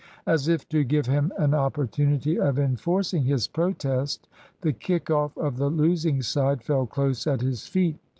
As if to give him an opportunity of enforcing his protest, the kick off of the losing side fell close at his feet.